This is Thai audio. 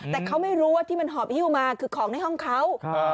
แต่เขาไม่รู้ว่าที่มันหอบฮิ้วมาคือของในห้องเขา